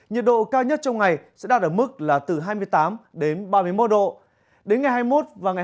nhiệt độ cao nhất trong ngày sẽ đạt ở mức là từ hai mươi tám đến ba mươi một độ